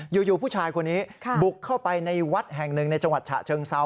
อยู่ผู้ชายคนนี้บุกเข้าไปในวัดแห่งหนึ่งในจังหวัดฉะเชิงเซา